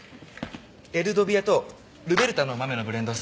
エルドビアとルベルタの豆のブレンドっす。